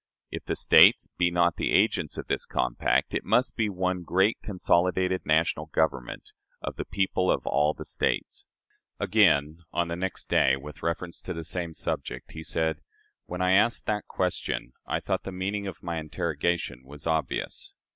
If the States be not the agents of this compact, it must be one great consolidated national government of the people of all the States." Again, on the next day, with reference to the same subject, he said: "When I asked that question, I thought the meaning of my interrogation was obvious.